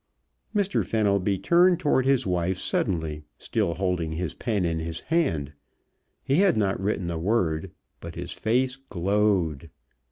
Mr. Fenelby turned toward his wife suddenly, still holding his pen in his hand. He had not written a word, but his face glowed.